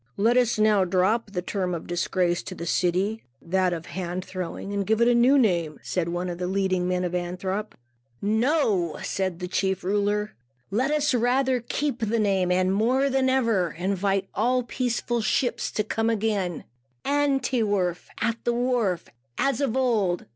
"Let us now drop the term of disgrace to the city that of the Hand Throwing and give it a new name," said one of the leading men of Antwerp. "No," said the chief ruler, "let us rather keep the name, and, more than ever, invite all peaceful ships to come again, 'an 't werf' (at the wharf), as of old.